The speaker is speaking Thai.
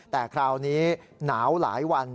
แต่คราวนี้หนาวหลายวัน